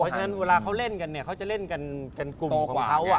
ฉะนั้นเวลาเขาเล่นกันเขาจะเล่นกันกลุ่มของเขา